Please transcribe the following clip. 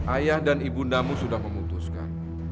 ayah dan ibu namu sudah memutuskan